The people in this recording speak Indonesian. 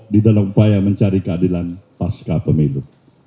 di dalam upaya mencari keadilan pasca pemilu